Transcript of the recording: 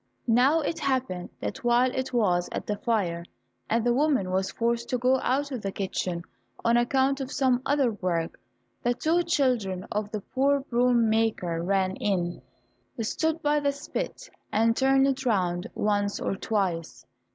Now it happened that while it was at the fire, and the woman was forced to go out of the kitchen on account of some other work, the two children of the poor broom maker ran in, stood by the spit and turned it round once or twice.